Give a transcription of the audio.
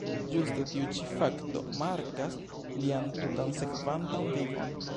Ĝuste tiu ĉi fakto markas lian tutan sekvantan vivon.